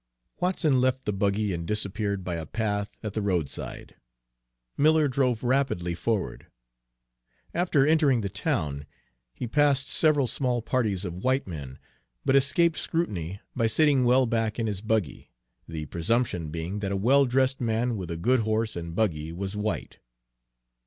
Watson left the buggy and disappeared by a path at the roadside. Miller drove rapidly forward. After entering the town, he passed several small parties of white men, but escaped scrutiny by sitting well back in his buggy, the presumption being that a well dressed man with a good horse and buggy was white.